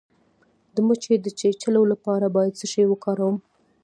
د مچۍ د چیچلو لپاره باید څه شی وکاروم؟